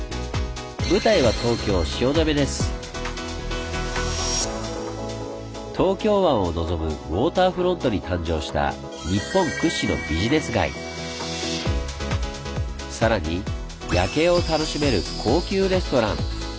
舞台は東京湾を望むウォーターフロントに誕生したさらに夜景を楽しめる高級レストラン！